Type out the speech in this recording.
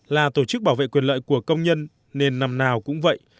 là tổ chức bảo vệ quyền lợi của công nhân nên năm nào cũng vậy